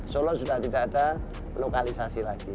solo sudah tidak ada lokalisasi lagi